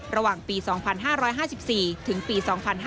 ระหว่างปี๒๕๕๔ถึงปี๒๕๕๙